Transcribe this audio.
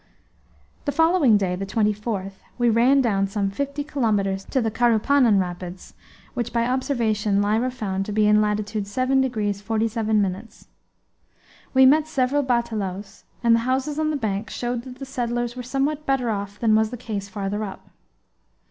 The following day, the 24th, we ran down some fifty kilometres to the Carupanan rapids, which by observation Lyra found to be in latitude 7 degrees 47 minutes. We met several batelaos, and the houses on the bank showed that the settlers were somewhat better off than was the case farther up.